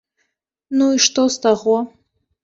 Ну і што з таго?